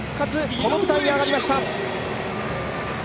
この舞台に上がりました。